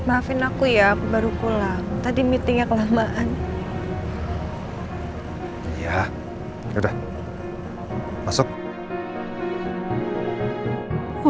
aku ngerasa udah jadi istri yang buruk buat kamu